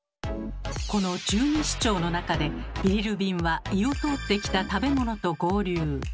この十二指腸の中でビリルビンは胃を通ってきた食べ物と合流。